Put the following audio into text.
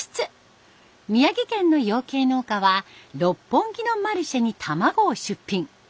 宮城県の養鶏農家は六本木のマルシェに卵を出品。